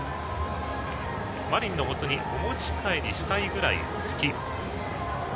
マリンのもつ煮お持ち帰りしたいくらい好き。